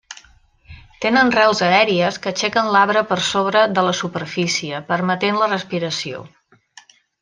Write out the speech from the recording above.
Tenen rels aèries que aixequen l'arbre per sobre de la superfície permetent la respiració.